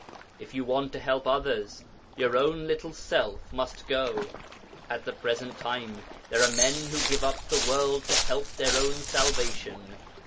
If you want to help others, your own little self must go.... At the present time there are men who give up the world to help their own salvation.